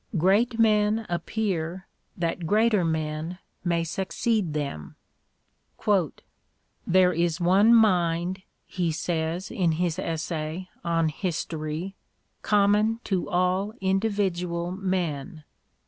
Great men appear that greater men may succeed them. There is one mind [he says in his essay on " History "] common to all individual men.